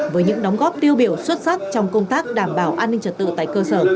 với những đóng góp tiêu biểu xuất sắc trong công tác đảm bảo an ninh trật tự tại cơ sở